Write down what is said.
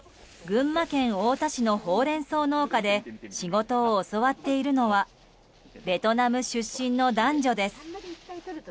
群馬県太田市のほうれん草農家で仕事を教わっているのはベトナム出身の男女です。